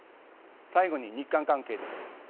最後に日韓関係です。